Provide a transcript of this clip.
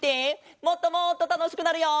もっともっとたのしくなるよ！